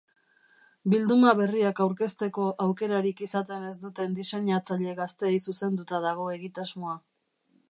Bilduma berriak aurkezteko aukerarik izaten ez duten diseinatzaile gazteei zuzenduta dago egitasmoa.